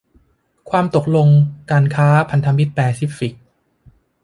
ความตกลงการค้าพันธมิตรแปซิฟิก